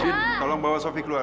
mungkin tolong bawa sofi keluar